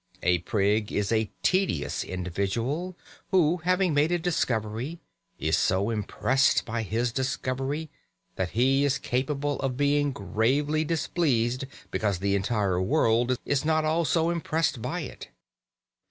A prig is a tedious individual who, having made a discovery, is so impressed by his discovery that he is capable of being gravely displeased because the entire world is not also impressed by it.